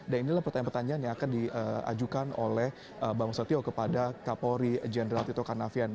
dan inilah pertanyaan pertanyaan yang akan diajukan oleh mbak mas satio kepada kapolri jenderal tito karnavian